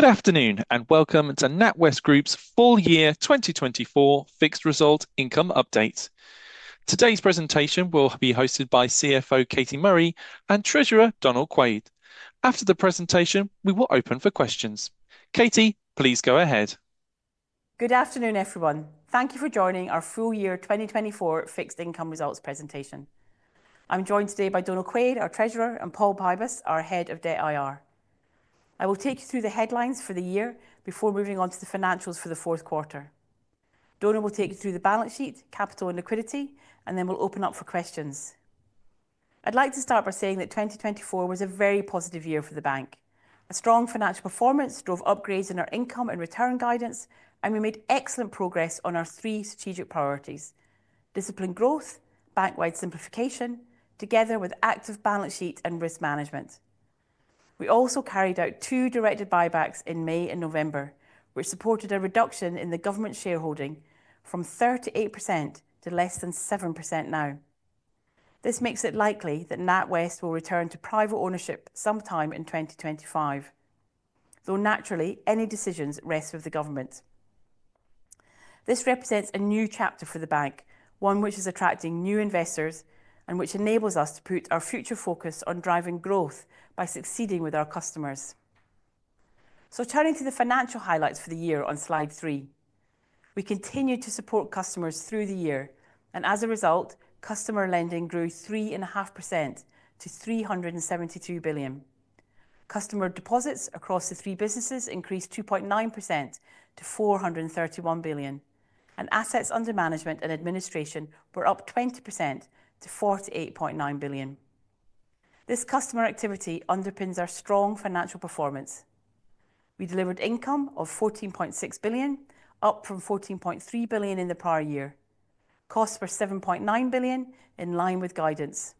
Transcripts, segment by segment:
Good afternoon and welcome to NatWest Group's full year 2024 fixed income results update. Today's presentation will be hosted by CFO Katie Murray and Treasurer Donal Quaid. After the presentation, we will open for questions. Katie, please go ahead. Good afternoon, everyone. Thank you for joining our full year 2024 fixed income results presentation. I'm joined today by Donal Quaid, our Treasurer, and Paul Pybus, our Head of Debt IR. I will take you through the headlines for the year before moving on to the financials for the Q4. Donal will take you through the balance sheet, capital and liquidity, and then we'll open up for questions. I'd like to start by saying that 2024 was a very positive year for the bank. A strong financial performance drove upgrades in our income and return guidance, and we made excellent progress on our three strategic priorities: disciplined growth, bank-wide simplification, together with active balance sheet and risk management. We also carried out two directed buybacks in May and November, which supported a reduction in the government shareholding from 38% to less than 7% now. This makes it likely that NatWest will return to private ownership sometime in 2025, though naturally, any decisions rest with the government. This represents a new chapter for the bank, one which is attracting new investors and which enables us to put our future focus on driving growth by succeeding with our customers. So turning to the financial highlights for the year on slide three, we continued to support customers through the year, and as a result, customer lending grew 3.5% to 372 billion. Customer deposits across the three businesses increased 2.9% to 431 billion, and assets under management and administration were up 20% to 48.9 billion. This customer activity underpins our strong financial performance. We delivered income of 14.6 billion, up from 14.3 billion in the prior year. Costs were 7.9 billion, in line with guidance.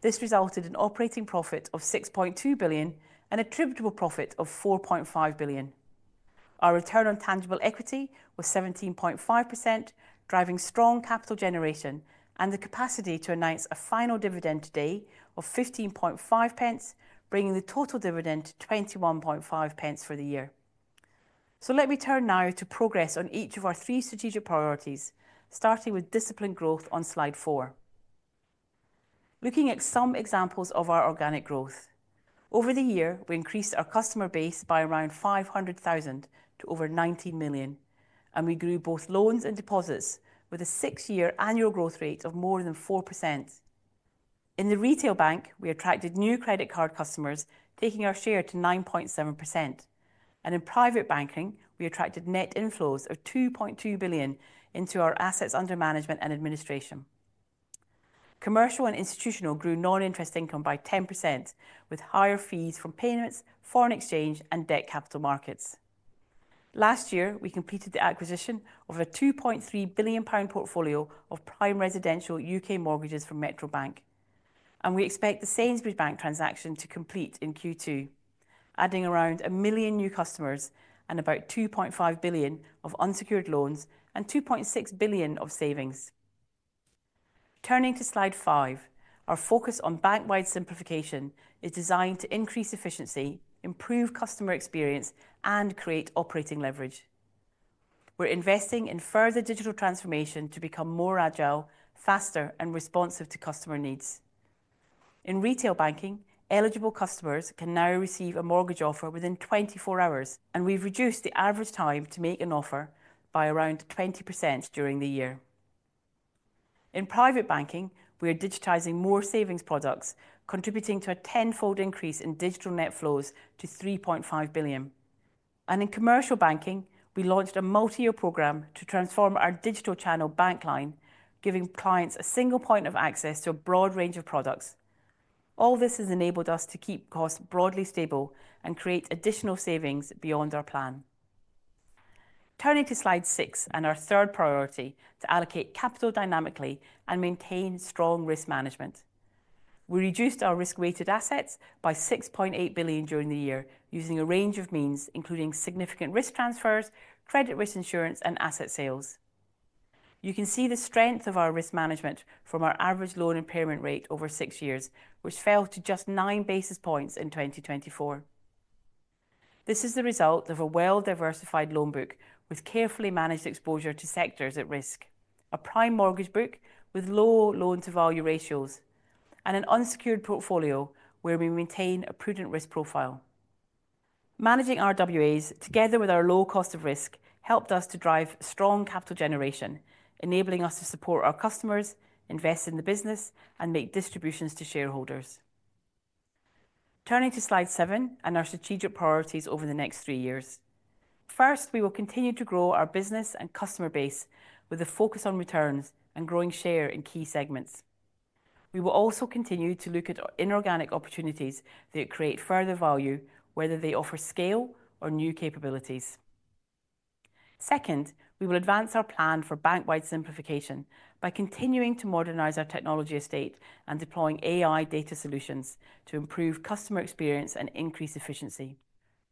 This resulted in operating profit of 6.2 billion and an attributable profit of 4.5 billion. Our return on tangible equity was 17.5%, driving strong capital generation and the capacity to announce a final dividend today of 0.155, bringing the total dividend to 0.215 for the year. So let me turn now to progress on each of our three strategic priorities, starting with disciplined growth on slide four. Looking at some examples of our organic growth, over the year, we increased our customer base by around 500,000 to over 90 million, and we grew both loans and deposits with a six-year annual growth rate of more than 4%. In the retail bank, we attracted new credit card customers, taking our share to 9.7%. And in private banking, we attracted net inflows of 2.2 billion into our assets under management and administration. Commercial and institutional grew non-interest income by 10%, with higher fees from payments, foreign exchange, and debt capital markets. Last year, we completed the acquisition of a 2.3 billion pound portfolio of prime residential U.K. mortgages from Metro Bank, and we expect the Sainsbury's Bank transaction to complete in Q2, adding around 1 million new customers and about 2.5 billion of unsecured loans and 2.6 billion of savings. Turning to slide five, our focus on bank-wide simplification is designed to increase efficiency, improve customer experience, and create operating leverage. We're investing in further digital transformation to become more agile, faster, and responsive to customer needs. In retail banking, eligible customers can now receive a mortgage offer within 24 hours, and we've reduced the average time to make an offer by around 20% during the year. In private banking, we are digitizing more savings products, contributing to a tenfold increase in digital net flows to 3.5 billion, and in commercial banking, we launched a multi-year program to transform our digital channel Bankline, giving clients a single point of access to a broad range of products. All this has enabled us to keep costs broadly stable and create additional savings beyond our plan. Turning to slide six and our third priority to allocate capital dynamically and maintain strong risk management. We reduced our risk-weighted assets by 6.8 billion during the year using a range of means, including significant risk transfers, credit risk insurance, and asset sales. You can see the strength of our risk management from our average loan impairment rate over six years, which fell to just nine basis points in 2024. This is the result of a well-diversified loan book with carefully managed exposure to sectors at risk, a prime mortgage book with low loan-to-value ratios, and an unsecured portfolio where we maintain a prudent risk profile. Managing RWAs together with our low cost of risk helped us to drive strong capital generation, enabling us to support our customers, invest in the business, and make distributions to shareholders. Turning to slide seven and our strategic priorities over the next three years. First, we will continue to grow our business and customer base with a focus on returns and growing share in key segments. We will also continue to look at inorganic opportunities that create further value, whether they offer scale or new capabilities. Second, we will advance our plan for bank-wide simplification by continuing to modernize our technology estate and deploying AI data solutions to improve customer experience and increase efficiency.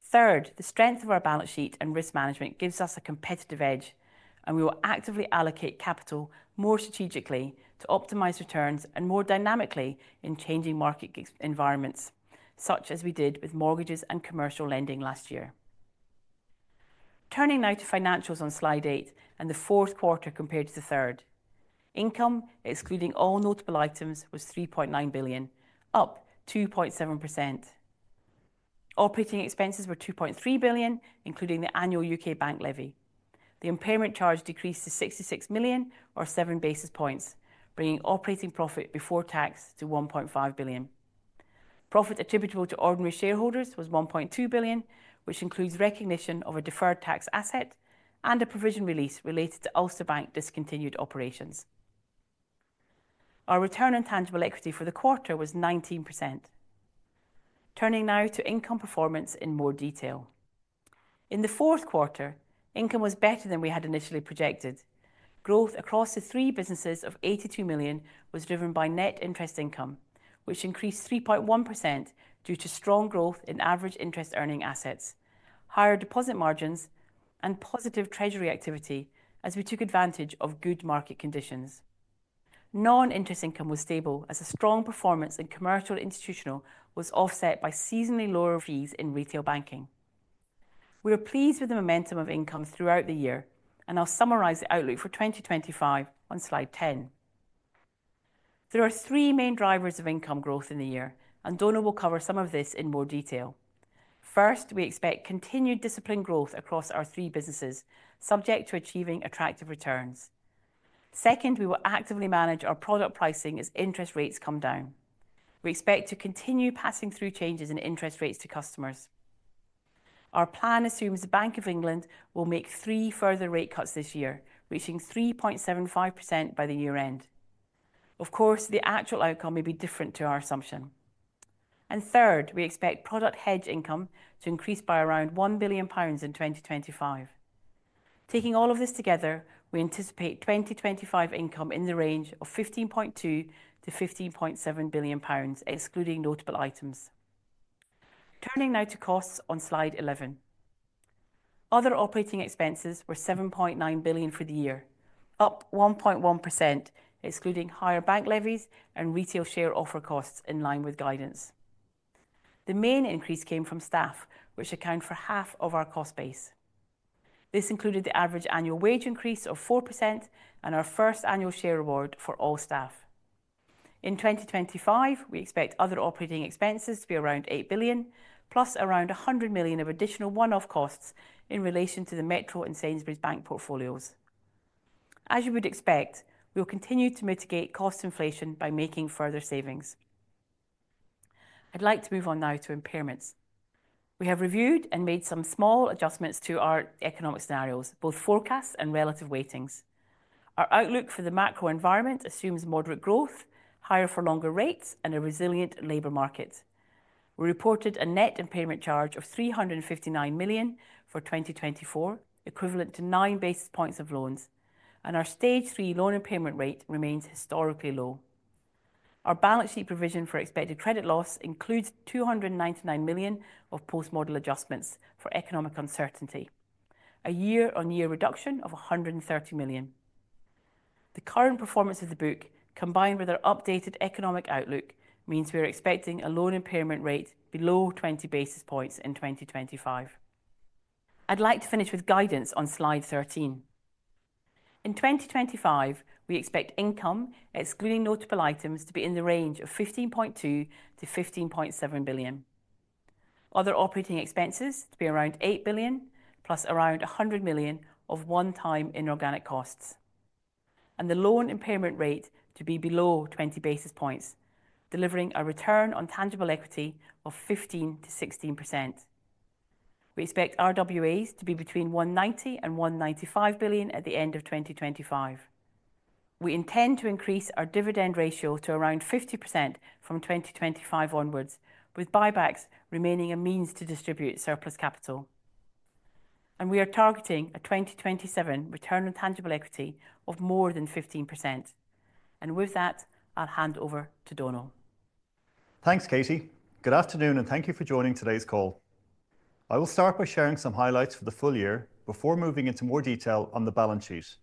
Third, the strength of our balance sheet and risk management gives us a competitive edge, and we will actively allocate capital more strategically to optimize returns and more dynamically in changing market environments, such as we did with mortgages and commercial lending last year. Turning now to financials on slide eight and the Q4 compared to the third. Income, excluding all notable items, was 3.9 billion, up 2.7%. Operating expenses were 2.3 billion, including the annual U.K. bank levy. The impairment charge decreased to 66 million, or seven basis points, bringing operating profit before tax to 1.5 billion. Profit attributable to ordinary shareholders was 1.2 billion, which includes recognition of a deferred tax asset and a provision release related to Ulster Bank discontinued operations. Our return on tangible equity for the quarter was 19%. Turning now to income performance in more detail. In the Q4, income was better than we had initially projected. Growth across the three businesses of 82 million was driven by net interest income, which increased 3.1% due to strong growth in average interest-earning assets, higher deposit margins, and positive treasury activity as we took advantage of good market conditions. Non-interest income was stable as a strong performance in commercial and institutional was offset by seasonally lower fees in retail banking. We are pleased with the momentum of income throughout the year, and I'll summarize the outlook for 2025 on slide ten. There are three main drivers of income growth in the year, and Donal will cover some of this in more detail. First, we expect continued disciplined growth across our three businesses, subject to achieving attractive returns. Second, we will actively manage our product pricing as interest rates come down. We expect to continue passing through changes in interest rates to customers. Our plan assumes the Bank of England will make three further rate cuts this year, reaching 3.75% by the year-end. Of course, the actual outcome may be different to our assumption. And third, we expect product hedge income to increase by around 1 billion pounds in 2025. Taking all of this together, we anticipate 2025 income in the range of 15.2 billion-15.7 billion pounds, excluding notable items. Turning now to costs on slide 11. Other operating expenses were 7.9 billion for the year, up 1.1%, excluding higher bank levies and retail share offer costs in line with guidance. The main increase came from staff, which accounts for half of our cost base. This included the average annual wage increase of 4% and our first annual share award for all staff. In 2025, we expect other operating expenses to be around 8 billion, plus around 100 million of additional one-off costs in relation to the Metro and Sainsbury's Bank portfolios. As you would expect, we will continue to mitigate cost inflation by making further savings. I'd like to move on now to impairments. We have reviewed and made some small adjustments to our economic scenarios, both forecasts and relative weightings. Our outlook for the macro environment assumes moderate growth, higher for longer rates, and a resilient labor market. We reported a net impairment charge of 359 million for 2024, equivalent to nine basis points of loans, and our stage three loan impairment rate remains historically low. Our balance sheet provision for expected credit loss includes 299 million of post-model adjustments for economic uncertainty, a year-on-year reduction of 130 million. The current performance of the book, combined with our updated economic outlook, means we are expecting a loan impairment rate below 20 basis points in 2025. I'd like to finish with guidance on slide 13. In 2025, we expect income, excluding notable items, to be in the range of 15.2 billion-15.7 billion. Other operating expenses to be around 8 billion, plus around 100 million of one-time inorganic costs. And the loan impairment rate to be below 20 basis points, delivering a return on tangible equity of 15%-16%. We expect RWAs to be between 190 billion and 195 billion at the end of 2025. We intend to increase our dividend ratio to around 50% from 2025 onwards, with buybacks remaining a means to distribute surplus capital. And we are targeting a 2027 return on tangible equity of more than 15%. And with that, I'll hand over to Donal. Thanks, Katie. Good afternoon, and thank you for joining today's call. I will start by sharing some highlights for the full year before moving into more detail on the balance sheet,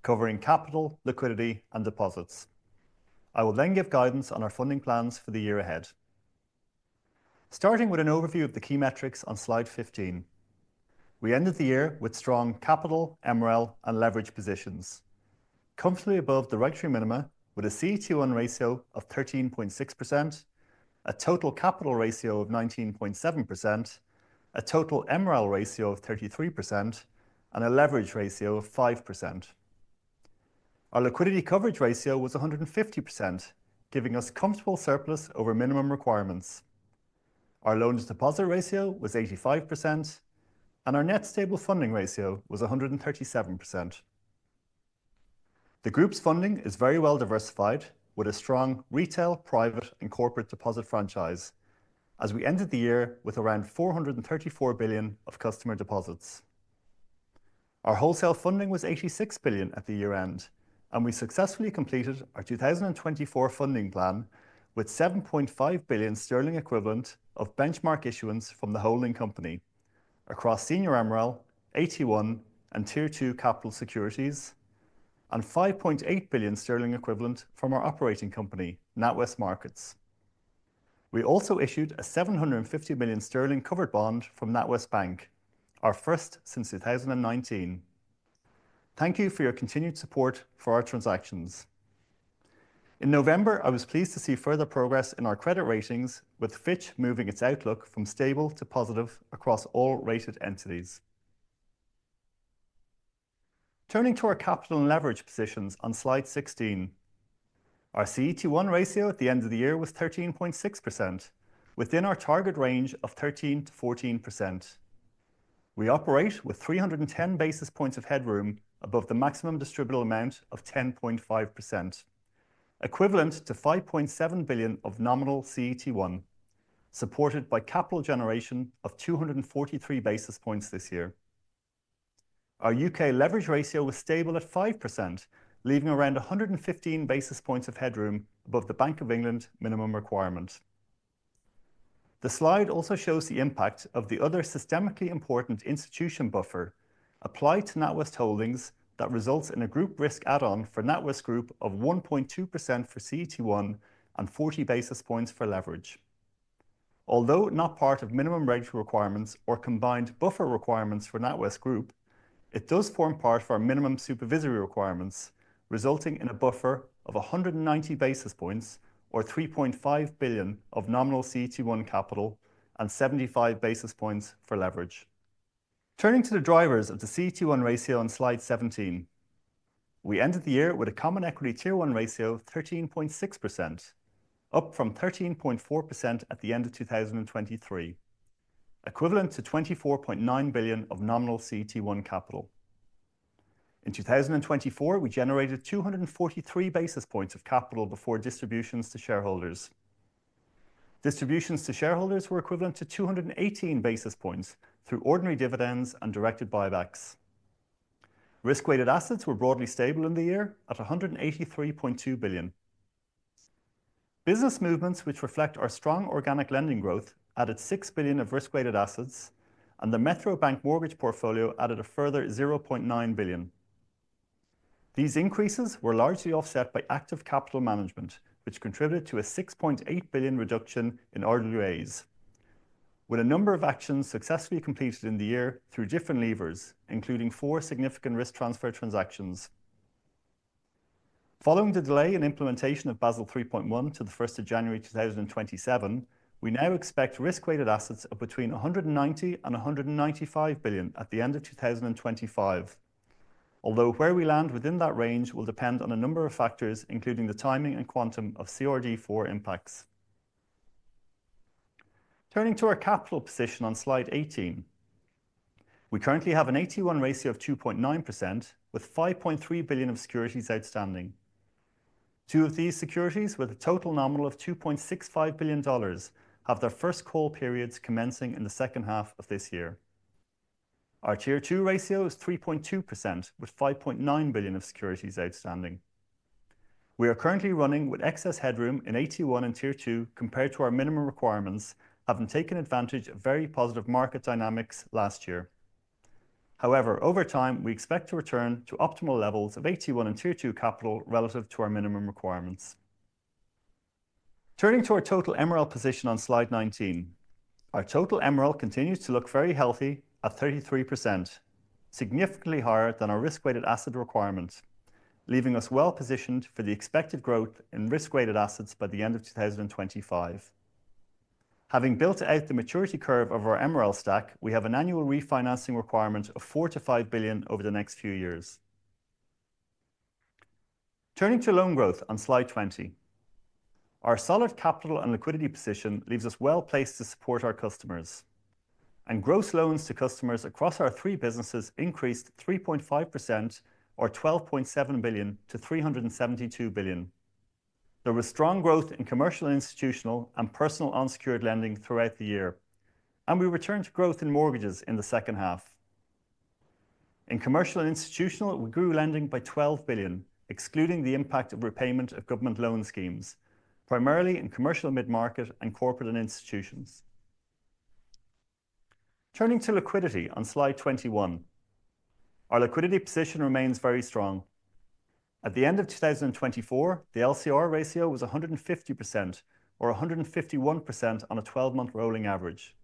covering capital, liquidity, and deposits. I will then give guidance on our funding plans for the year ahead. Starting with an overview of the key metrics on slide 15. We ended the year with strong capital, MREL, and leverage positions, comfortably above the regulatory minimum, with a CET1 ratio of 13.6%, a total capital ratio of 19.7%, a total MREL ratio of 33%, and a leverage ratio of 5%. Our liquidity coverage ratio was 150%, giving us comfortable surplus over minimum requirements. Our loan-to-deposit ratio was 85%, and our net stable funding ratio was 137%. The group's funding is very well diversified, with a strong retail, private, and corporate deposit franchise, as we ended the year with around 434 billion of customer deposits. Our wholesale funding was 86 billion at the year-end, and we successfully completed our 2024 funding plan with 7.5 billion sterling equivalent of benchmark issuance from the holding company across senior MREL, AT1, and Tier 2 capital securities, and 5.8 billion sterling equivalent from our operating company, NatWest Markets. We also issued a 750 million sterling covered bond from NatWest Bank, our first since 2019. Thank you for your continued support for our transactions. In November, I was pleased to see further progress in our credit ratings, with Fitch moving its outlook from stable to positive across all rated entities. Turning to our capital and leverage positions on slide 16. Our CET1 ratio at the end of the year was 13.6%, within our target range of 13%-14%. We operate with 310 basis points of headroom above the maximum distributable amount of 10.5%, equivalent to 5.7 billion of nominal CET1, supported by capital generation of 243 basis points this year. Our U.K. leverage ratio was stable at 5%, leaving around 115 basis points of headroom above the Bank of England minimum requirement. The slide also shows the impact of the other systemically important institution buffer applied to NatWest Holdings that results in a group risk add-on for NatWest Group of 1.2% for CET1 and 40 basis points for leverage. Although not part of minimum rate requirements or combined buffer requirements for NatWest Group, it does form part of our minimum supervisory requirements, resulting in a buffer of 190 basis points or 3.5 billion of nominal CET1 capital and 75 basis points for leverage. Turning to the drivers of the CET1 ratio on slide 17. We ended the year with a common equity tier one ratio of 13.6%, up from 13.4% at the end of 2023, equivalent to 24.9 billion of nominal CET1 capital. In 2024, we generated 243 basis points of capital before distributions to shareholders. Distributions to shareholders were equivalent to 218 basis points through ordinary dividends and directed buybacks. Risk-weighted assets were broadly stable in the year at 183.2 billion. Business movements, which reflect our strong organic lending growth, added 6 billion of risk-weighted assets, and the Metro Bank mortgage portfolio added a further 0.9 billion. These increases were largely offset by active capital management, which contributed to a 6.8 billion reduction in RWAs, with a number of actions successfully completed in the year through different levers, including four significant risk transfer transactions. Following the delay in implementation of Basel 3.1 to the 1st of January 2027, we now expect risk-weighted assets of between 190 and 195 billion at the end of 2025, although where we land within that range will depend on a number of factors, including the timing and quantum of CRD IV impacts. Turning to our capital position on slide 18. We currently have an AT1 ratio of 2.9%, with 5.3 billion of securities outstanding. Two of these securities, with a total nominal of $2.65 billion, have their first call periods commencing in the second half of this year. Our Tier 2 ratio is 3.2%, with 5.9 billion of securities outstanding. We are currently running with excess headroom in AT1 and Tier 2 compared to our minimum requirements, having taken advantage of very positive market dynamics last year. However, over time, we expect to return to optimal levels of AT1 and Tier 2 capital relative to our minimum requirements. Turning to our total MRL position on slide 19. Our total MRL continues to look very healthy at 33%, significantly higher than our risk-weighted asset requirement, leaving us well positioned for the expected growth in risk-weighted assets by the end of 2025. Having built out the maturity curve of our MRL stack, we have an annual refinancing requirement of 4 billion-5 billion over the next few years. Turning to loan growth on slide 20. Our solid capital and liquidity position leaves us well placed to support our customers, and gross loans to customers across our three businesses increased 3.5%, or 12.7 billion, to 372 billion. There was strong growth in commercial and institutional and personal unsecured lending throughout the year, and we returned to growth in mortgages in the second half. In commercial and institutional, we grew lending by 12 billion, excluding the impact of repayment of government loan schemes, primarily in commercial mid-market and corporate and institutions. Turning to liquidity on slide 21. Our liquidity position remains very strong. At the end of 2024, the LCR ratio was 150%, or 151% on a 12-month rolling average,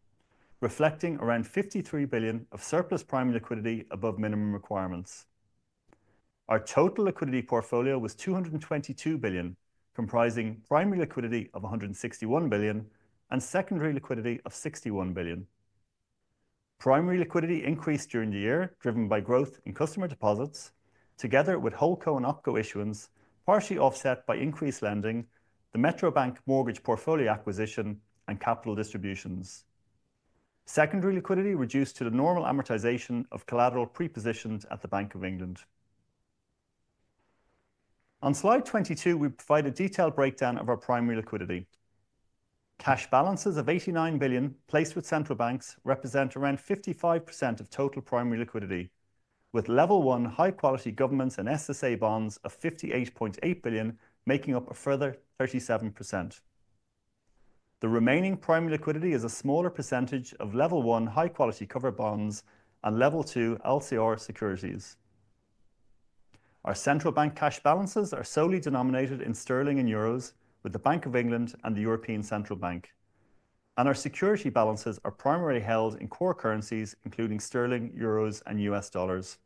reflecting around 53 billion of surplus primary liquidity above minimum requirements. Our total liquidity portfolio was 222 billion, comprising primary liquidity of 161 billion and secondary liquidity of 61 billion. Primary liquidity increased during the year, driven by growth in customer deposits, together with HoldCo and OpCo issuance, partially offset by increased lending, the Metro Bank mortgage portfolio acquisition, and capital distributions. Secondary liquidity reduced due to the normal amortization of collateral pre-positioned at the Bank of England. On slide 22, we provide a detailed breakdown of our primary liquidity. Cash balances of 89 billion placed with central banks represent around 55% of total primary liquidity, with level one high-quality governments and SSA bonds of 58.8 billion making up a further 37%. The remaining primary liquidity is a smaller percentage of level one high-quality covered bonds and level two LCR securities. Our central bank cash balances are solely denominated in sterling and euros with the Bank of England and the European Central Bank, and our security balances are primarily held in core currencies, including sterling, euros, and U.S. dollars.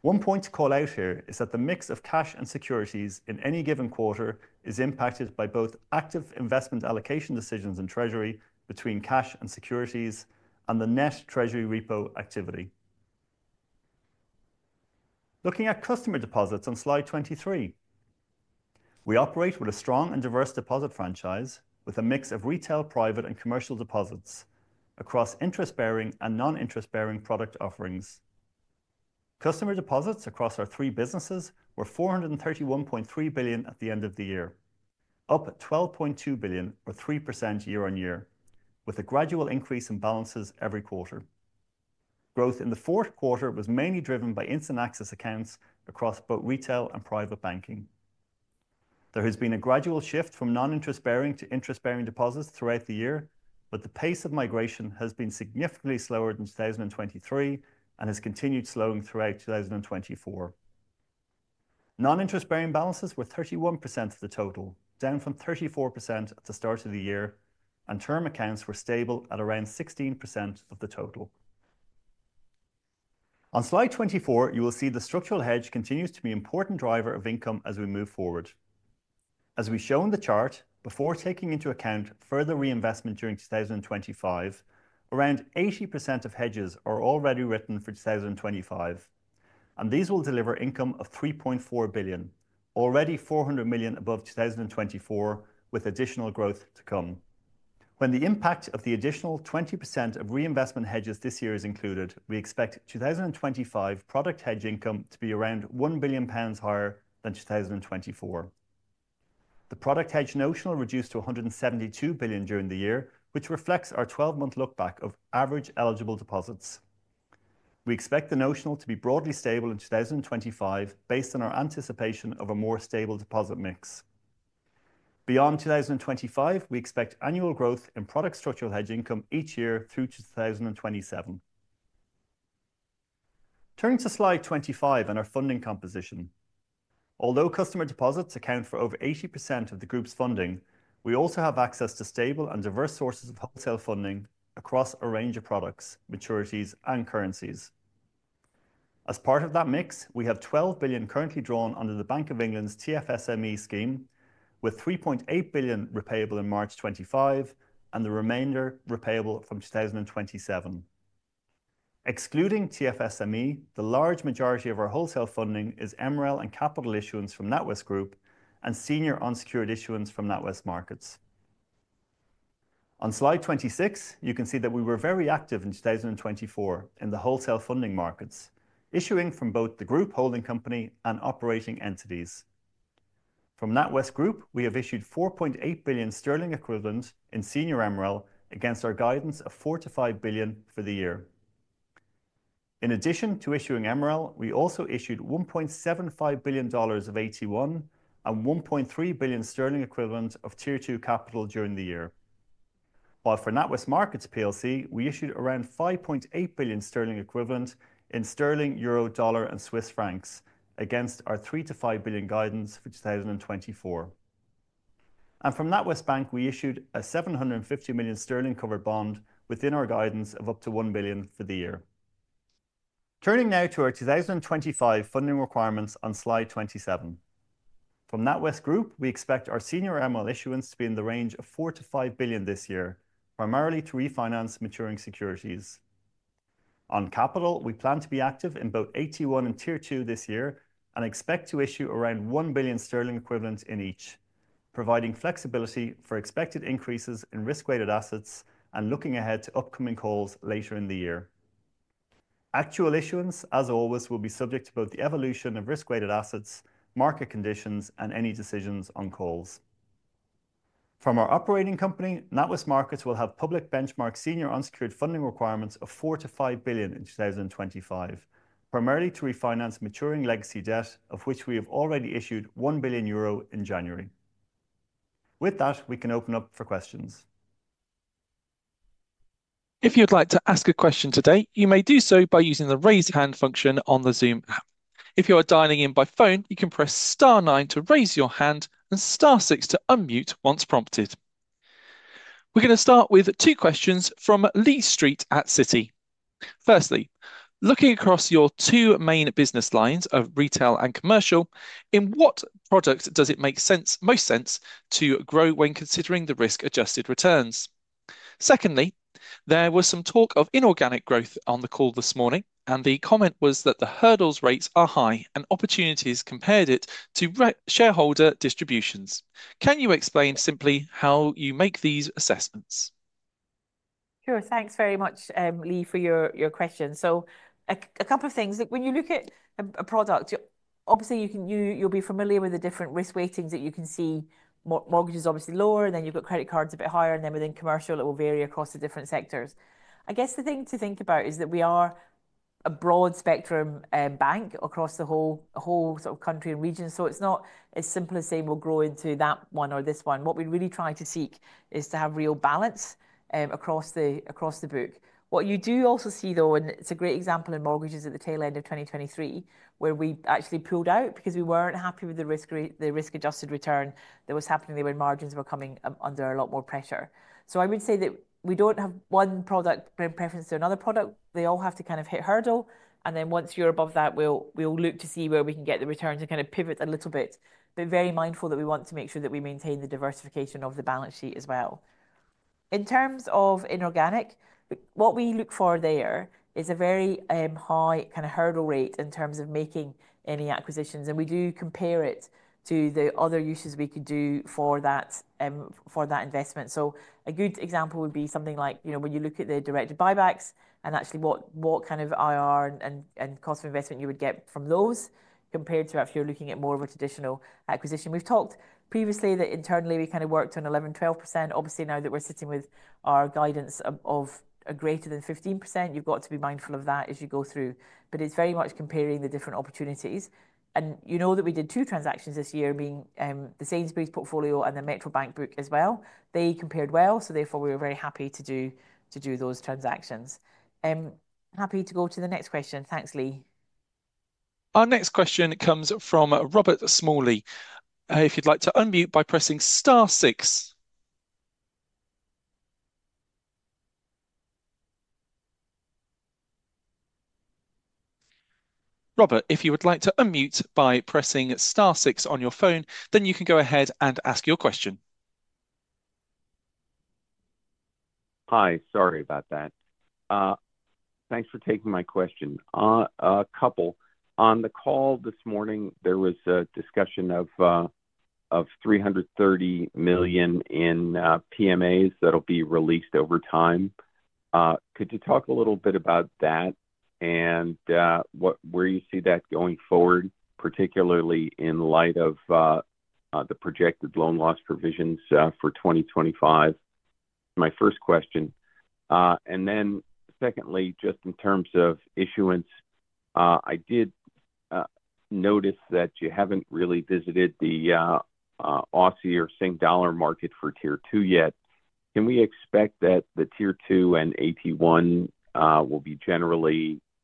One point to call out here is that the mix of cash and securities in any given quarter is impacted by both active investment allocation decisions in treasury between cash and securities and the net treasury repo activity. Looking at customer deposits on slide 23, we operate with a strong and diverse deposit franchise with a mix of retail, private, and commercial deposits across interest-bearing and non-interest-bearing product offerings. Customer deposits across our three businesses were 431.3 billion at the end of the year, up 12.2 billion, or 3% year-on-year, with a gradual increase in balances every quarter. Growth in the Q4 was mainly driven by instant access accounts across both retail and private banking. There has been a gradual shift from non-interest-bearing to interest-bearing deposits throughout the year, but the pace of migration has been significantly slower than 2023 and has continued slowing throughout 2024. Non-interest-bearing balances were 31% of the total, down from 34% at the start of the year, and term accounts were stable at around 16% of the total. On slide 24, you will see the structural hedge continues to be an important driver of income as we move forward. As we show in the chart, before taking into account further reinvestment during 2025, around 80% of hedges are already written for 2025, and these will deliver income of 3.4 billion, already 400 million above 2024, with additional growth to come. When the impact of the additional 20% of reinvestment hedges this year is included, we expect 2025 product hedge income to be around 1 billion pounds higher than 2024. The product hedge notional reduced to 172 billion during the year, which reflects our 12-month lookback of average eligible deposits. We expect the notional to be broadly stable in 2025, based on our anticipation of a more stable deposit mix. Beyond 2025, we expect annual growth in product structural hedge income each year through to 2027. Turning to Slide 25 and our funding composition. Although customer deposits account for over 80% of the group's funding, we also have access to stable and diverse sources of wholesale funding across a range of products, maturities, and currencies. As part of that mix, we have 12 billion currently drawn under the Bank of England's TFSME scheme, with 3.8 billion repayable in March 2025 and the remainder repayable from 2027. Excluding TFSME, the large majority of our wholesale funding is MRL and capital issuance from NatWest Group and senior unsecured issuance from NatWest Markets. On slide 26, you can see that we were very active in 2024 in the wholesale funding markets, issuing from both the group holding company and operating entities. From NatWest Group, we have issued 4.8 billion sterling equivalent in senior MRL against our guidance of 4 billion-5 billion for the year. In addition to issuing MRL, we also issued GBP 1.75 billion of AT1 and 1.3 billion sterling equivalent of tier two capital during the year. While for NatWest Markets PLC, we issued around 5.8 billion sterling equivalent in sterling, euro, dollar, and Swiss francs against our 3-5 billion guidance for 2024. And from NatWest Bank, we issued a 750 million sterling covered bond within our guidance of up to 1 billion for the year. Turning now to our 2025 funding requirements on slide 27. From NatWest Group, we expect our senior MRL issuance to be in the range of 4 billion-5 billion this year, primarily to refinance maturing securities. On capital, we plan to be active in both AT1 and Tier 2 this year and expect to issue around 1 billion sterling equivalent in each, providing flexibility for expected increases in risk-weighted assets and looking ahead to upcoming calls later in the year. Actual issuance, as always, will be subject to both the evolution of risk-weighted assets, market conditions, and any decisions on calls. From our operating company, NatWest Markets will have public benchmark senior unsecured funding requirements of 4 billion-5 billion in 2025, primarily to refinance maturing legacy debt, of which we have already issued 1 billion euro in January. With that, we can open up for questions. If you'd like to ask a question today, you may do so by using the raise hand function on the Zoom app. If you are dialing in by phone, you can press star nine to raise your hand and star six to unmute once prompted. We're going to start with two questions from Lee Street at Citi. Firstly, looking across your two main business lines of retail and commercial, in what product does it make most sense to grow when considering the risk-adjusted returns? Secondly, there was some talk of inorganic growth on the call this morning, and the comment was that the hurdle rates are high, and opportunities compared it to shareholder distributions. Can you explain simply how you make these assessments? Sure. Thanks very much, Lee, for your question. So a couple of things. When you look at a product, obviously you'll be familiar with the different risk weightings that you can see. Mortgage is obviously lower, and then you've got credit cards a bit higher, and then within commercial, it will vary across the different sectors. I guess the thing to think about is that we are a broad spectrum bank across the whole sort of country and region, so it's not as simple as saying we'll grow into that one or this one. What we really try to seek is to have real balance across the book. What you do also see, though, and it's a great example in mortgages at the tail end of 2023, where we actually pulled out because we weren't happy with the risk-adjusted return that was happening, their margins were coming under a lot more pressure. So, I would say that we don't have one product being preferred to another product. They all have to kind of hit hurdle, and then once you're above that, we'll look to see where we can get the returns and kind of pivot a little bit. But very mindful that we want to make sure that we maintain the diversification of the balance sheet as well. In terms of inorganic, what we look for there is a very high kind of hurdle rate in terms of making any acquisitions, and we do compare it to the other uses we could do for that investment. So a good example would be something like, you know, when you look at the directed buybacks and actually what kind of IR and cost of investment you would get from those compared to if you're looking at more of a traditional acquisition. We've talked previously that internally we kind of worked on 11%-12%. Obviously, now that we're sitting with our guidance of >15%, you've got to be mindful of that as you go through. But it's very much comparing the different opportunities. And you know that we did two transactions this year, being the Sainsbury's portfolio and the Metro Bank book as well. They compared well, so therefore we were very happy to do those transactions. Happy to go to the next question. Thanks, Lee. Our next question comes from Robert Smalley. If you'd like to unmute by pressing star six. Robert, if you would like to unmute by pressing star six on your phone, then you can go ahead and ask your question. Hi, sorry about that. Thanks for taking my question. A couple. On the call this morning, there was a discussion of 330 million in PMAs that'll be released over time. Could you talk a little bit about that and where you see that going forward, particularly in light of the projected loan loss provisions for 2025? My first question. And then secondly, just in terms of issuance, I did notice that you haven't really visited the Aussie or Sing dollar market for tier two yet.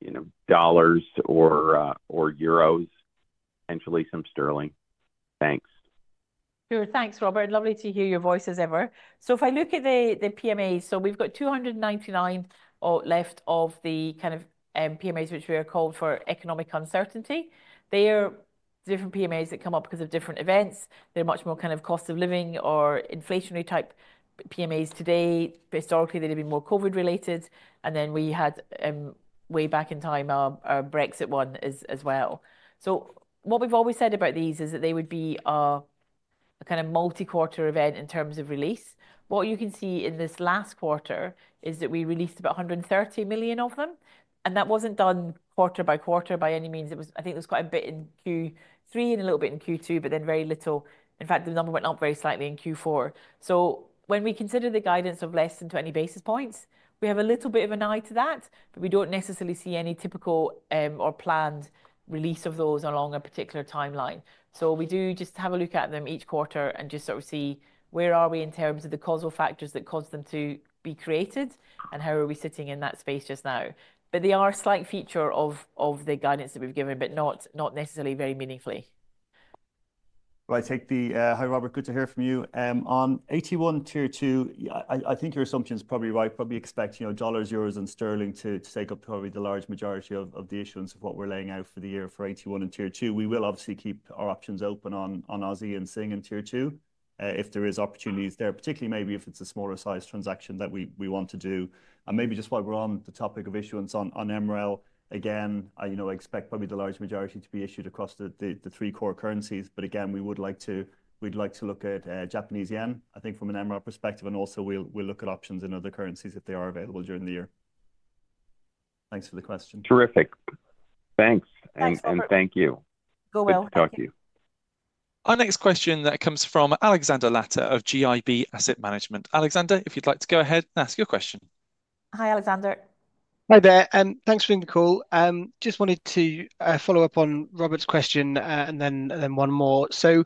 Can we expect that the tier two and AT1 will be generally dollars or euros, potentially some sterling? Thanks. Sure. Thanks, Robert. Lovely to hear your voice as ever. So if I look at the PMAs, so we've got 299 left of the kind of PMAs which we call for economic uncertainty. They are different PMAs that come up because of different events. They're much more kind of cost of living or inflationary type PMAs today. Historically, they'd have been more COVID related, and then we had way back in time our Brexit one as well. So what we've always said about these is that they would be a kind of multi-quarter event in terms of release. What you can see in this last quarter is that we released about 130 million of them, and that wasn't done quarter by quarter by any means. I think there was quite a bit in Q3 and a little bit in Q2, but then very little. In fact, the number went up very slightly in Q4. So when we consider the guidance of less than 20 basis points, we have a little bit of an eye to that, but we don't necessarily see any typical or planned release of those along a particular timeline. We do just have a look at them each quarter and just sort of see where are we in terms of the causal factors that caused them to be created and how are we sitting in that space just now. But they are a slight feature of the guidance that we've given, but not necessarily very meaningfully. Well, I take the. Hi Robert, good to hear from you. On AT1 Tier 2, I think your assumption is probably right. Probably expect dollars, euros, and sterling to take up probably the large majority of the issuance of what we're laying out for the year for AT1 and Tier 2. We will obviously keep our options open on Aussie and Sing in Tier 2 if there are opportunities there, particularly maybe if it's a smaller size transaction that we want to do. And maybe just while we're on the topic of issuance on MRL, again, I expect probably the large majority to be issued across the three core currencies. But again, we would like to look at Japanese yen, I think from an MRL perspective, and also we'll look at options in other currencies if they are available during the year. Thanks for the question. Terrific. Thanks. And thank you. Our next question that comes from Alexander Latter of GIB Asset Management. Alexander, if you'd like to go ahead and ask your question. Hi, Alexander. Hi there. And thanks for doing the call. Just wanted to follow up on Robert's question and then one more. So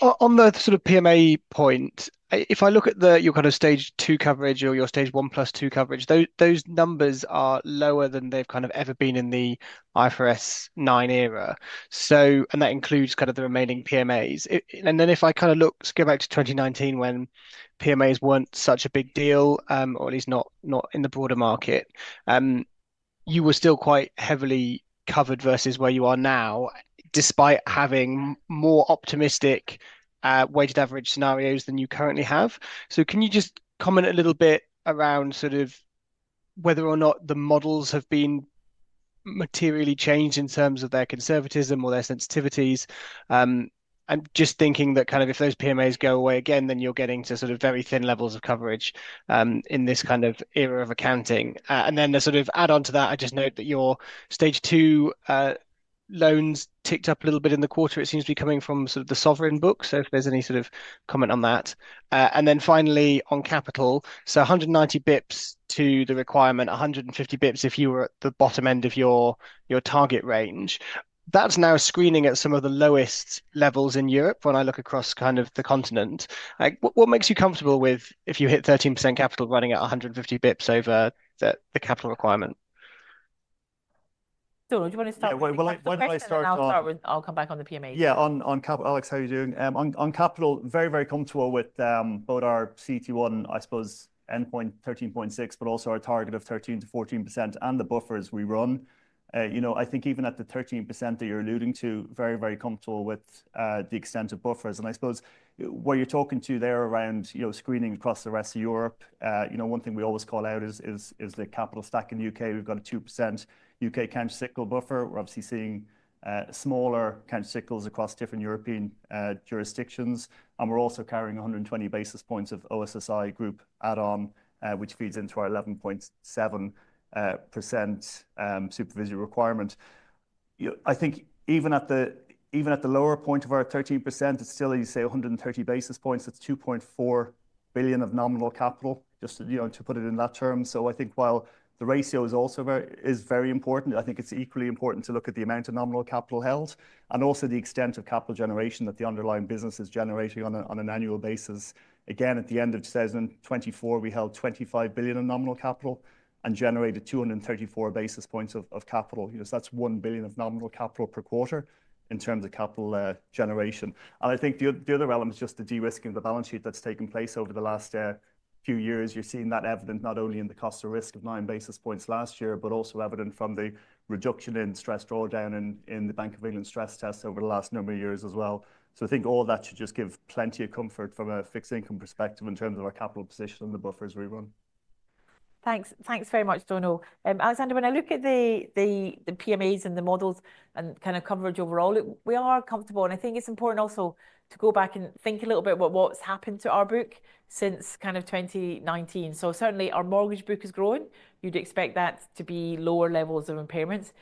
on the sort of PMA point, if I look at your kind of stage two coverage or your stage one plus two coverage, those numbers are lower than they've kind of ever been in the IFRS 9 era. And that includes kind of the remaining PMAs. And then if I kind of look, go back to 2019 when PMAs weren't such a big deal, or at least not in the broader market, you were still quite heavily covered versus where you are now, despite having more optimistic weighted average scenarios than you currently have. So can you just comment a little bit around sort of whether or not the models have been materially changed in terms of their conservatism or their sensitivities? And just thinking that kind of if those PMAs go away again, then you're getting to sort of very thin levels of coverage in this kind of era of accounting. And then to sort of add on to that, I just note that your stage two loans ticked up a little bit in the quarter. It seems to be coming from sort of the sovereign book. So if there's any sort of comment on that. And then finally on capital, so 190 basis points to the requirement, 150 basis points if you were at the bottom end of your target range. That's now screening at some of the lowest levels in Europe when I look across kind of the continent. What makes you comfortable with if you hit 13% capital running at 150 basis points over the capital requirement? Donal, do you want to start? I'll come back on the PMA. Yeah, on capital, Alex, how are you doing? On capital, very, very comfortable with both our CET1, I suppose, endpoint 13.6%, but also our target of 13%-14% and the buffers we run. You know, I think even at the 13% that you're alluding to, very, very comfortable with the extent of buffers. I suppose what you're talking to there around screening across the rest of Europe, one thing we always call out is the capital stack in the U.K.. We've got a 2% U.K. countercyclical buffer. We're obviously seeing smaller countercyclical cycles across different European jurisdictions. We're also carrying 120 basis points of O-SII group add-on, which feeds into our 11.7% supervision requirement. I think even at the lower point of our 13%, it's still, as you say, 130 basis points. It's 2.4 billion of nominal capital, just to put it in that term. So I think while the ratio is very important, I think it's equally important to look at the amount of nominal capital held and also the extent of capital generation that the underlying business is generating on an annual basis. Again, at the end of 2024, we held 25 billion of nominal capital and generated 234 basis points of capital. So that's one billion of nominal capital per quarter in terms of capital generation. And I think the other element is just the de-risking of the balance sheet that's taken place over the last few years. You're seeing that evident not only in the cost of risk of nine basis points last year, but also evident from the reduction in stress drawdown in the Bank of England stress test over the last number of years as well. So I think all that should just give plenty of comfort from a fixed income perspective in terms of our capital position and the buffers we run. Thanks very much, Donal. Alexander, when I look at the PMAs and the models and kind of coverage overall, we are comfortable. And I think it's important also to go back and think a little bit about what's happened to our book since kind of 2019. So certainly our mortgage book is growing. You'd expect that to be lower levels of impairments.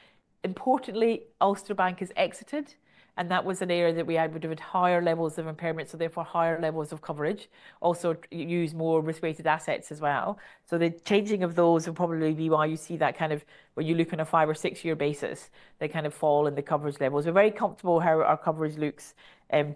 Importantly, Ulster Bank has exited, and that was an area that we would have had higher levels of impairment, so therefore higher levels of coverage. Also use more risk-weighted assets as well. So the changing of those will probably be why you see that kind of, when you look on a five or six-year basis, they kind of fall in the coverage levels. We're very comfortable how our coverage looks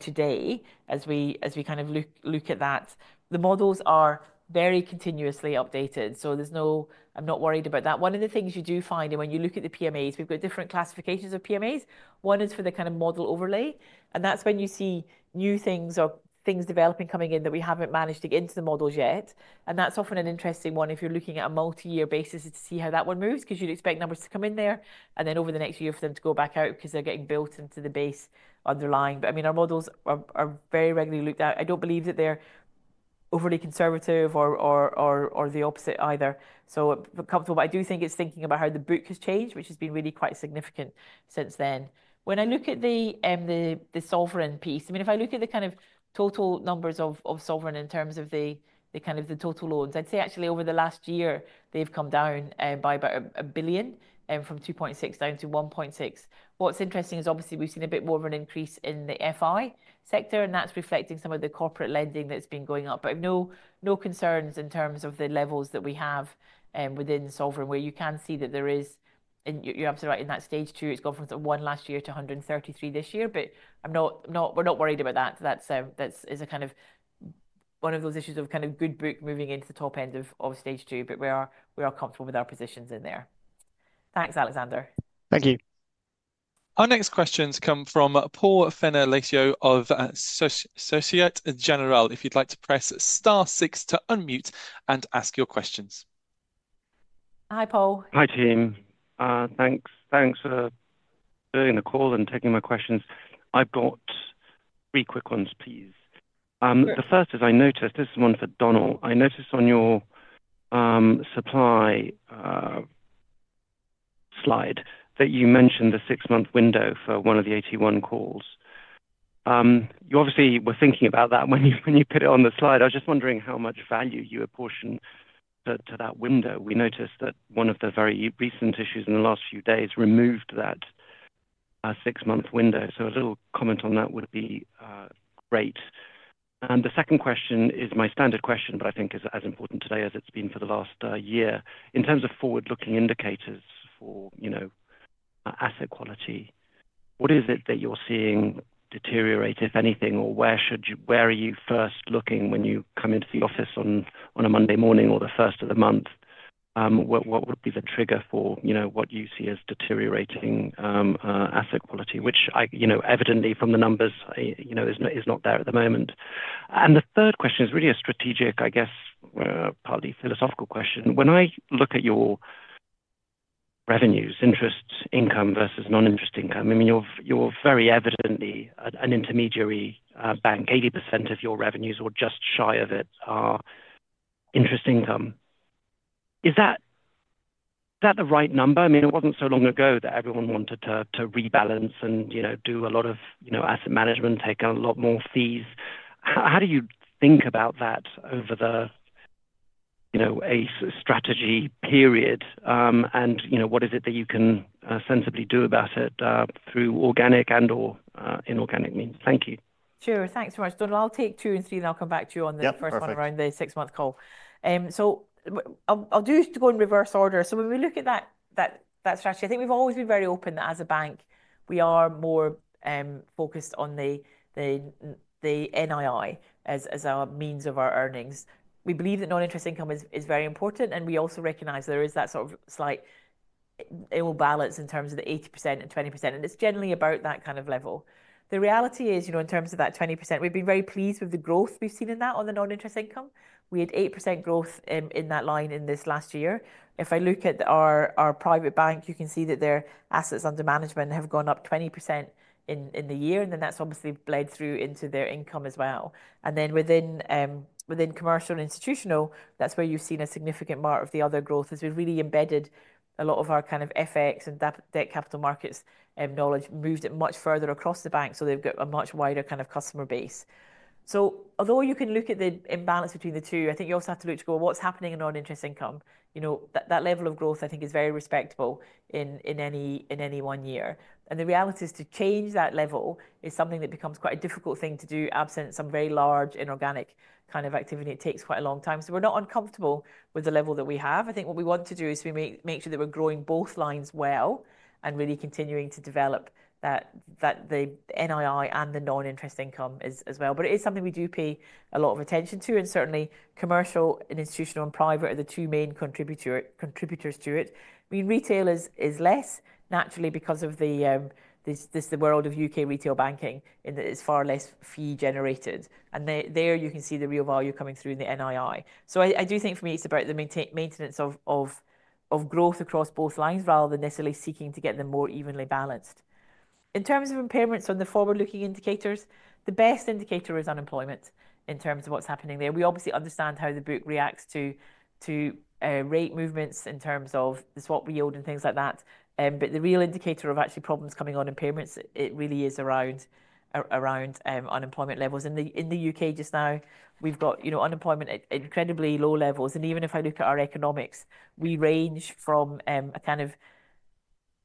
today as we kind of look at that. The models are very continuously updated, so I'm not worried about that. One of the things you do find, and when you look at the PMAs, we've got different classifications of PMAs. One is for the kind of model overlay, and that's when you see new things or things developing coming in that we haven't managed to get into the models yet. That's often an interesting one if you're looking at a multi-year basis to see how that one moves, because you'd expect numbers to come in there and then over the next year for them to go back out because they're getting built into the base underlying. I mean, our models are very regularly looked at. I don't believe that they're overly conservative or the opposite either. Comfortable. I do think it's thinking about how the book has changed, which has been really quite significant since then. When I look at the sovereign piece, I mean, if I look at the kind of total numbers of sovereign in terms of the kind of the total loans, I'd say actually over the last year, they've come down by about 1 billion from 2.6 billion down to 1.6 billion. What's interesting is obviously we've seen a bit more of an increase in the FI sector, and that's reflecting some of the corporate lending that's been going up. But no concerns in terms of the levels that we have within sovereign, where you can see that there is, you're absolutely right, in that stage two, it's gone from one last year to 133 this year. But we're not worried about that. That is a kind of one of those issues of kind of good book moving into the top end of stage two, but we are comfortable with our positions in there. Thanks, Alexander. Thank you. Our next questions come from Paul Fenner-Leitao of Société Générale. If you'd like to press star six to unmute and ask your questions. Hi, Paul. Hi, team. Thanks for doing the call and taking my questions. I've got three quick ones, please. The first is, I noticed, this is one for Donal. I noticed on your supply slide that you mentioned the six-month window for one of the AT1 calls. You obviously were thinking about that when you put it on the slide. I was just wondering how much value you apportion to that window. We noticed that one of the very recent issues in the last few days removed that six-month window. So a little comment on that would be great. And the second question is my standard question, but I think is as important today as it's been for the last year. In terms of forward-looking indicators for asset quality, what is it that you're seeing deteriorate, if anything, or where are you first looking when you come into the office on a Monday morning or the first of the month? What would be the trigger for what you see as deteriorating asset quality, which evidently from the numbers is not there at the moment? And the third question is really a strategic, I guess, partly philosophical question. When I look at your revenues, interest income versus non-interest income, I mean, you're very evidently an intermediary bank. 80% of your revenues or just shy of it are interest income. Is that the right number? I mean, it wasn't so long ago that everyone wanted to rebalance and do a lot of asset management, take on a lot more fees. How do you think about that over a strategy period? And what is it that you can sensibly do about it through organic and/or inorganic means? Thank you. Sure. Thanks so much, Donal. I'll take two and three, and I'll come back to you on the first one around the six-month call. So I'll do it to go in reverse order. So when we look at that strategy, I think we've always been very open that as a bank, we are more focused on the NII as our means of our earnings. We believe that non-interest income is very important, and we also recognize there is that sort of slight imbalance in terms of the 80% and 20%, and it's generally about that kind of level. The reality is, in terms of that 20%, we've been very pleased with the growth we've seen in that on the non-interest income. We had 8% growth in that line in this last year. If I look at our private bank, you can see that their assets under management have gone up 20% in the year, and then that's obviously bled through into their income as well. And then within commercial and institutional, that's where you've seen a significant mark of the other growth as we've really embedded a lot of our kind of FX and debt capital markets knowledge moved it much further across the bank, so they've got a much wider kind of customer base. So although you can look at the imbalance between the two, I think you also have to look to go what's happening in non-interest income. That level of growth, I think, is very respectable in any one year. And the reality is to change that level is something that becomes quite a difficult thing to do absent some very large inorganic kind of activity. It takes quite a long time. So we're not uncomfortable with the level that we have. I think what we want to do is we make sure that we're growing both lines well and really continuing to develop the NII and the non-interest income as well, but it is something we do pay a lot of attention to, and certainly commercial and institutional and private are the two main contributors to it. I mean, retail is less naturally because of the world of U.K. retail banking is far less fee-generated, and there you can see the real value coming through in the NII, so I do think for me, it's about the maintenance of growth across both lines rather than necessarily seeking to get them more evenly balanced. In terms of impairments on the forward-looking indicators, the best indicator is unemployment in terms of what's happening there. We obviously understand how the book reacts to rate movements in terms of the swap yield and things like that. But the real indicator of actual problems coming on impairments. It really is around unemployment levels. In the U.K. just now, we've got unemployment at incredibly low levels, and even if I look at our economics, we range from a kind of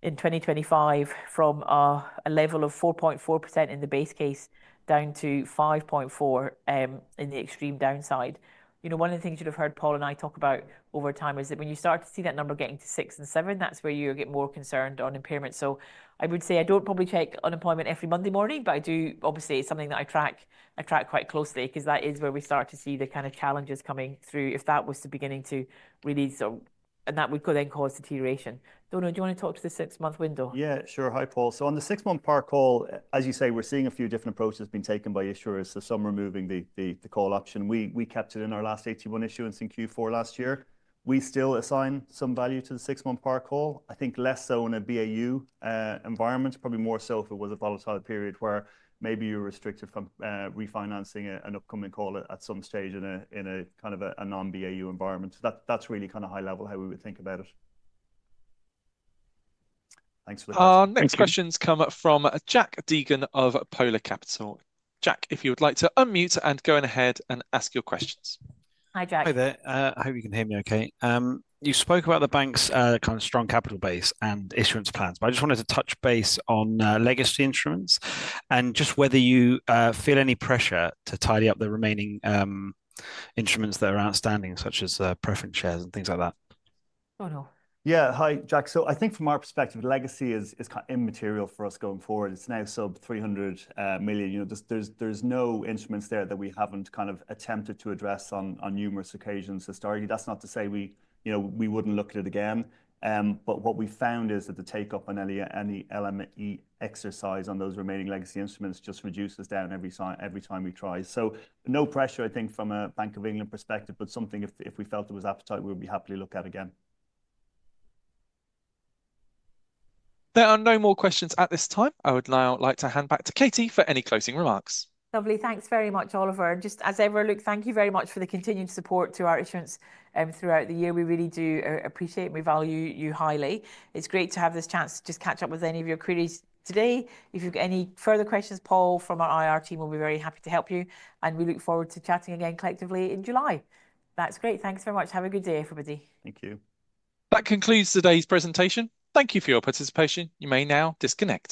in 2025 from a level of 4.4% in the base case down to 5.4% in the extreme downside. One of the things you'd have heard Paul and I talk about over time is that when you start to see that number getting to six and seven, that's where you get more concerned on impairment. I would say I don't probably check unemployment every Monday morning, but I do obviously. It's something that I track quite closely because that is where we start to see the kind of challenges coming through if that was the beginning to really sort of, and that would then cause deterioration. Donal, do you want to talk to the six-month window? Yeah, sure. Hi, Paul. So on the six-month par call, as you say, we're seeing a few different approaches being taken by issuers this summer, moving the call option. We kept it in our last AT1 issuance in Q4 last year. We still assign some value to the six-month par call. I think less so in a BAU environment, probably more so if it was a volatile period where maybe you're restricted from refinancing an upcoming call at some stage in a kind of a non-BAU environment. That's really kind of high level how we would think about it. Thanks for that. Next questions come from Jack Deegan of Polar Capital. Jack, if you would like to unmute and go ahead and ask your questions. Hi, Jack. Hi there. I hope you can hear me okay. You spoke about the bank's kind of strong capital base and issuance plans, but I just wanted to touch base on legacy instruments and just whether you feel any pressure to tidy up the remaining instruments that are outstanding, such as preference shares and things like that. Donal. Yeah, hi, Jack. So I think from our perspective, legacy is kind of immaterial for us going forward. It's now sub 300 million. There's no instruments there that we haven't kind of attempted to address on numerous occasions historically. That's not to say we wouldn't look at it again. But what we found is that the take-up on any LME exercise on those remaining legacy instruments just reduces down every time we try. So no pressure, I think, from a Bank of England perspective, but something if we felt it was appetite, we would be happy to look at again. There are no more questions at this time. I would now like to hand back to Katie for any closing remarks. Lovely. Thanks very much, Oliver. And just as ever, Luke, thank you very much for the continued support to our issuance throughout the year. We really do appreciate and we value you highly. It's great to have this chance to just catch up with any of your queries today. If you've got any further questions, Paul, from our IR team, we'll be very happy to help you. And we look forward to chatting again collectively in July. That's great. Thanks very much. Have a good day, everybody. Thank you. That concludes today's presentation. Thank you for your participation. You may now disconnect.